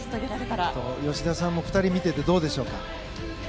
吉田さんも２人見ていてどうでしょうか？